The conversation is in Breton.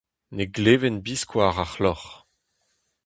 Ne gleven biskoazh ar c'hloc'h.